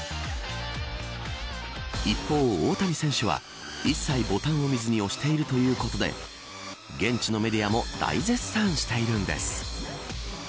一方、大谷選手は一切ボタンを見ずに押しているということで現地のメディアも大絶賛しているんです。